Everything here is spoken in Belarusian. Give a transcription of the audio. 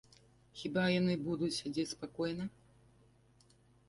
Хіба яны будуць сядзець спакойна?